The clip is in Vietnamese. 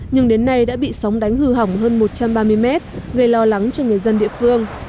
nhưng đến nay đã bị sóng đánh hư hỏng hơn một trăm ba mươi mét gây lo lắng cho người dân địa phương